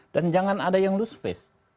dan jangan ada yang lose face